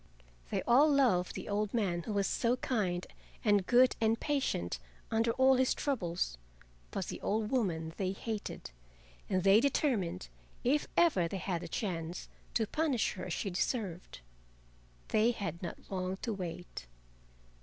They all loved the old man who was so kind and good and patient under all his troubles, but the old woman they hated, and they determined, if ever they had the chance, to punish her as she deserved. They had not long to wait.